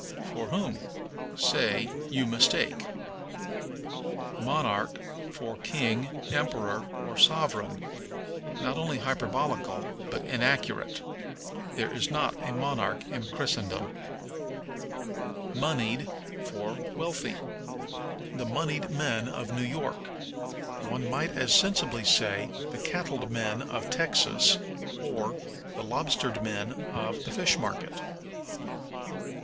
For whom? Say, You mistake. Monarch for King, Emperor, or Sovereign. Not only hyperbolical, but inaccurate. There is not a monarch in Christendom. Moneyed for Wealthy. "The moneyed men of New York." One might as sensibly say, "The cattled men of Texas," or, "The lobstered men of the fish market."